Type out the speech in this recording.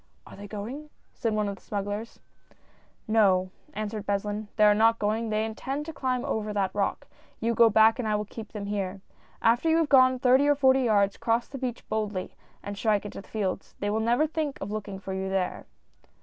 " Are they going? " said one of the smugglers. 56 THE NIGHT AFTER. " No," answered Beslin, " they are not going ; they intend to climb over that rock. You go back, and I will keep them here. After you have gone thirty or forty yards, cross the beach boldly, and strike into the fields. They will never think of looking for you there."